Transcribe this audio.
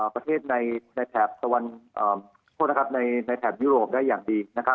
ประเทศในแถบยุโรปได้อย่างดีนะครับ